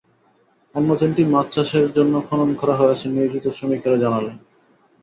অন্য তিনটি মাছ চাষের জন্য খনন করা হয়েছে নিয়োজিত শ্রমিকেরা জানালেন।